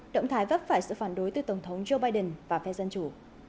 động thái vấp phải sự phản đối từ tổng thống joe biden và phe dân chủ